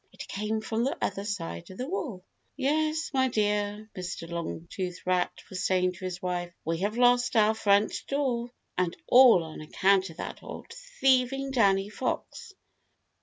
It came from the other side of the wall. "Yes, my dear," Mr. Longtooth Rat was saying to his wife, "we have lost our front door, and all on account of that old thieving Danny Fox."